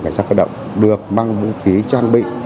cảnh sát cơ động được mang vũ khí trang bị